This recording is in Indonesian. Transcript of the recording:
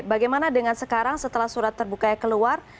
bagaimana dengan sekarang setelah surat terbuka keluar